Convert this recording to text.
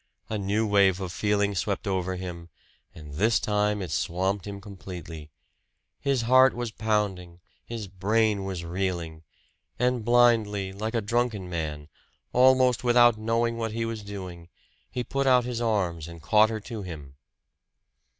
A new wave of feeling swept over him, and this time it swamped him completely. His heart was pounding, his brain was reeling; and blindly, like a drunken man almost without knowing what he was doing he put out his arms and caught her to him.